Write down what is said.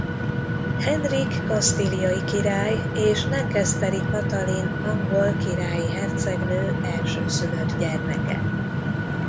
Henrik kasztíliai király és Lancasteri Katalin angol királyi hercegnő elsőszülött gyermeke.